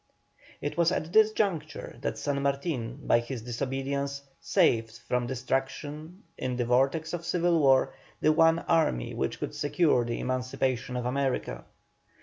It was at this juncture that San Martin by his disobedience saved from destruction in the vortex of civil war the one army which could secure the emancipation of America.